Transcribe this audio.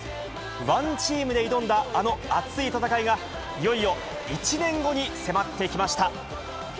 ワンチームで挑んだあの熱い戦いが、いよいよ１年後に迫ってきました。